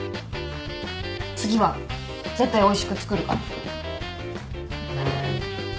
次は絶対おいしく作るから。